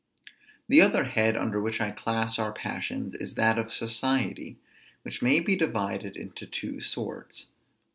The other head under which I class our passions, is that of society, which may be divided into two sorts.